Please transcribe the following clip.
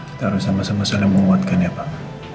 kita harus sama sama saling menguatkan ya pak